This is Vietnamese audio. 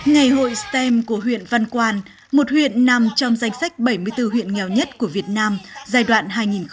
ngày hội stem của huyện văn quan một huyện nằm trong danh sách bảy mươi bốn huyện nghèo nhất của việt nam giai đoạn hai nghìn một mươi sáu hai nghìn hai mươi